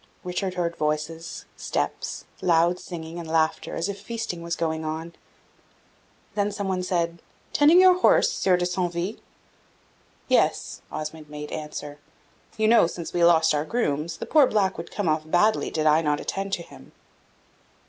Richard heard voices, steps, loud singing and laughter, as if feasting was going on; then some one said, "Tending your horse, Sieur de Centeville?" "Yes," Osmond made answer. "You know, since we lost our grooms, the poor black would come off badly, did I not attend to him."